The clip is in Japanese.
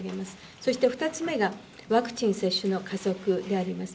そして２つ目が、ワクチン接種の加速であります。